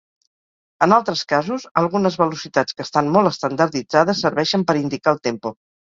En altres casos, algunes velocitats que estan molt estandarditzades serveixen per indicar el tempo.